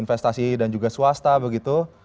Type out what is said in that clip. investasi dan juga swasta begitu